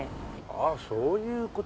ああそういう事。